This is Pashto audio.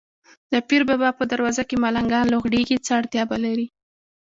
د پیر بابا په دروازه کې ملنګان لوغړېږي، څه اړتیا به لري.